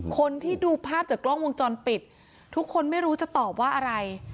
คนที่ดูภาพจากกล้องวงจรปิดทุกคนไม่รู้จะตอบว่าอะไร